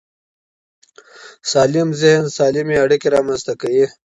سالم ذهن سالمې اړیکې رامنځته کوي.